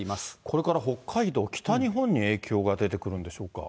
これから北海道、北日本に影響が出てくるんでしょうか。